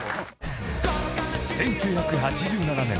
［１９８７年